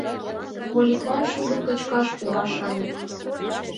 Вольыклан шудым кочкаш пуа шаньык.